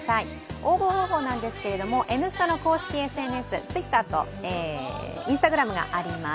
応募方法なんですけれども、「Ｎスタ」の公式ＳＮＳ、ＴｗｉｔｔｅｒとＩｎｓｔａｇｒａｍがあります。